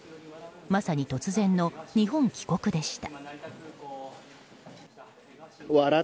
まさに突然の日本帰国でした。